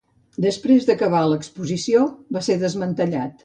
Després d'acabar l'exposició va ser desmantellat.